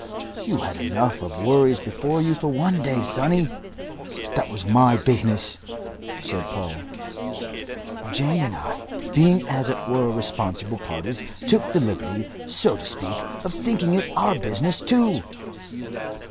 "You had enough of worries before you for one day, sonny." "That was my business," said Paul. "Jane and I, being as it were responsible parties, took the liberty, so to speak, of thinking it our business too."